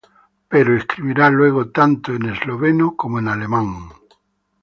Pero escribirá luego tanto en esloveno como en alemán.